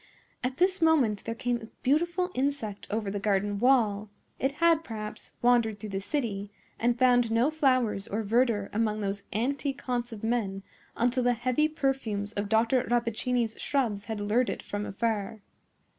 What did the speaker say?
At this moment there came a beautiful insect over the garden wall; it had, perhaps, wandered through the city, and found no flowers or verdure among those antique haunts of men until the heavy perfumes of Dr. Rappaccini's shrubs had lured it from afar.